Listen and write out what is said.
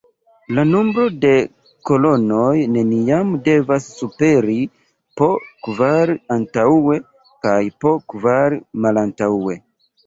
La nombro de kolonoj neniam devas superi po kvar antaŭe kaj po kvar malantaŭe.